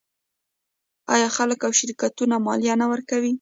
آیا خلک او شرکتونه مالیه نه ورکوي؟